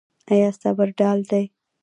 آیا صبر ډال دی؟